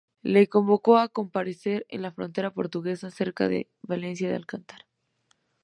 Le convocó a comparecer en la frontera portuguesa, cerca de Valencia de Alcántara.